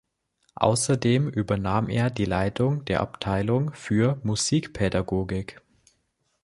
Außerdem übernahm er die Leitung der Abteilung für Musikpädagogik.